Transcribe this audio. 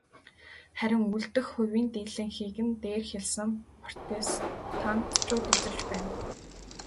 Харин үлдэх хувийн дийлэнхийг нь дээр хэлсэн протестантчууд эзэлж байна.